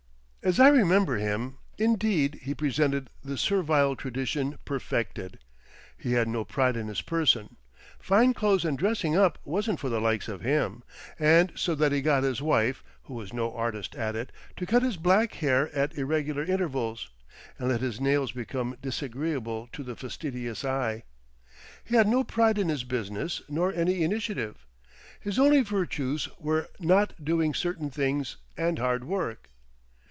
As I remember him, indeed, he presented the servile tradition perfected. He had no pride in his person; fine clothes and dressing up wasn't "for the likes of" him, so that he got his wife, who was no artist at it, to cut his black hair at irregular intervals, and let his nails become disagreeable to the fastidious eye; he had no pride in his business nor any initiative; his only virtues were not doing certain things and hard work.